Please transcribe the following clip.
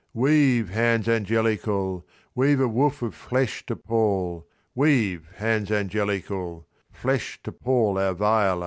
Weave, hands angelical, Weave a woof of flesh to pall— Weave, hands angelical— Flesh to pall our Viola.